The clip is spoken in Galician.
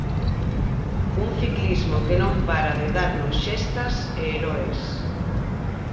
Un ciclismo que non para de darnos xestas e heroes.